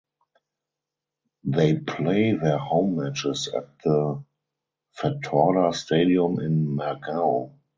They play their home matches at the Fatorda Stadium in Margao.